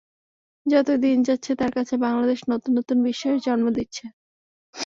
যতই দিন যাচ্ছে, তাঁর কাছে বাংলাদেশ নতুন নতুন বিস্ময়ের জন্ম দিচ্ছে।